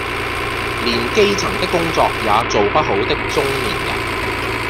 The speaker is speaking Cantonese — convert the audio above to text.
連基層的工作也做不好的中年人